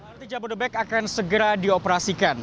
lrt jabodebek akan segera dioperasikan